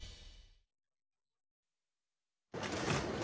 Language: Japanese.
はい。